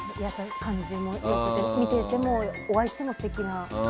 感じも良くて見ててもお会いしても素敵な。